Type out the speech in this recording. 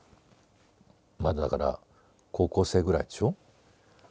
まだだから高校生ぐらいでしょ？